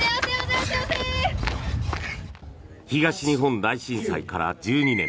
東日本大震災から１２年。